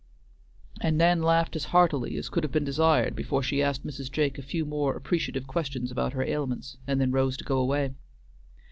'" And Nan laughed as heartily as could have been desired before she asked Mrs. Jake a few more appreciative questions about her ailments, and then rose to go away.